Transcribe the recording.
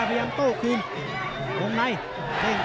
หรือว่าผู้สุดท้ายมีสิงคลอยวิทยาหมูสะพานใหม่